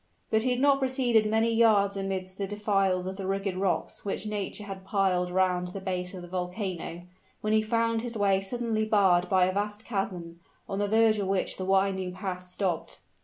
But he had not proceeded many yards amidst the defiles of the rugged rocks which nature had piled around the base of the volcano, when he found his way suddenly barred by a vast chasm, on the verge of which the winding path stopped.